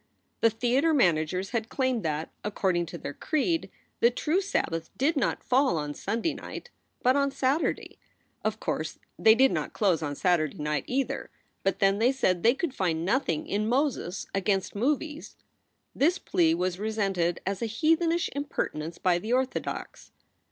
The theater managers had claimed that, according to their creed, the true Sabbath did not fall on Sunday night, but on Saturday. Of course they did not close on Saturday night, either; but then, they said, they could find nothing in Moses against movies. This plea was resented as a heathenish impertinence by the orthodox.